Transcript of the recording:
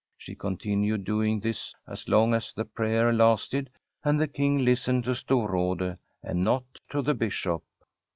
She continued doing this as long as the prayer lasted, and the King listened to Stor rade, and not to the Bishop.